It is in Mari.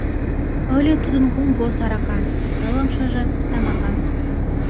Ыле тудын кум воз арака, нылымшыже — тамака.